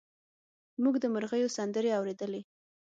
موږ د مرغیو سندرې اورېدلې.